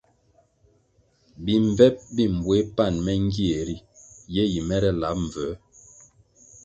Bimbvep bi mbueh pan me ngie ri ye yi mere lab mbvuē,